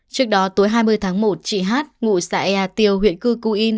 trước đó tối hai mươi tháng một chị hát ngụ xã ea tiều huyện cư cù yên